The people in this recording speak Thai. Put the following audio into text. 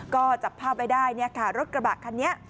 ก็จับภาพไว้ได้เนี่ยค่ะรถกระบะคันนี้